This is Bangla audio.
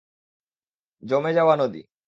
জমে যাওয়া নদী!